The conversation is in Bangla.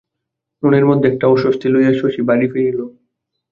মনের মধ্যে একটা অস্বস্তি লইয়া শশী বাড়ি ফিরিল।